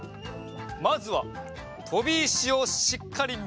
まずはとび石をしっかりみる！